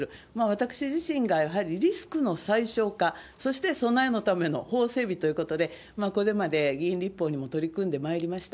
私自身がやはりリスクの最小化、そして備えのための法整備ということで、これまで議員立法にも取り組んでまいりました。